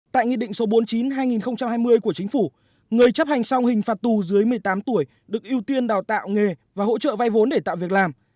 tại nghị định số bốn mươi chín hai nghìn hai mươi của chính phủ người chấp hành xong hình phạt tù dưới một mươi tám tuổi được ưu tiên đào tạo nghề và hỗ trợ vay vốn để tạo việc làm